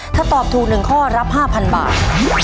ถ้าตอบถูกหนึ่งข้อรับห้าพันบาท